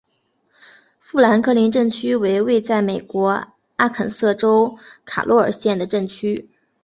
富兰克林镇区为位在美国阿肯色州卡洛尔县的镇区。